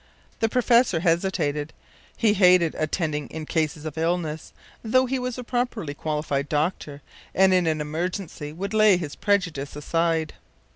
The professor hesitated; he hated attending in cases of illness, though he was a properly qualified doctor and in an emergency would lay his prejudice aside.